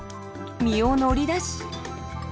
身を乗り出し。